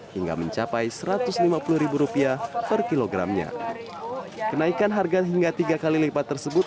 hingga mencapai satu ratus lima puluh rupiah per kilogramnya kenaikan harga hingga tiga kali lipat tersebut